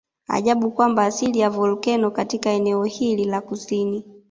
Ajabu kwamba asili ya volkeno katika eneo hili la kusini